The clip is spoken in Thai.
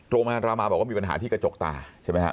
โรงพยาบาลรามาบอกว่ามีปัญหาที่กระจกตาใช่ไหมฮะ